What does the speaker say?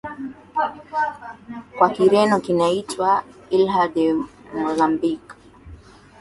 kwa Kireno kinaitwa Ilha de Moçambique